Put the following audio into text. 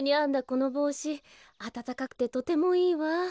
このぼうしあたたかくてとてもいいわ。